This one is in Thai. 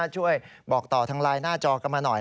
ช่วยบอกต่อทางไลน์หน้าจอกันมาหน่อย